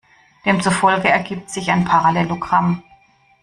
Demzufolge ergibt sich ein Parallelogramm.